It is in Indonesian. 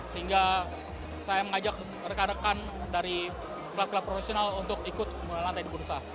sehingga saya mengajak rekan rekan dari klub klub profesional untuk ikut melantai di bursa